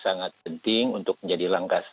sangat penting untuk menjadi langkah